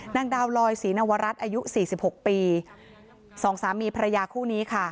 นางดาวลอยศรีนวรัฐอายุสี่สิบหกปีสองสามีภรรยาคู่นี้ค่ะ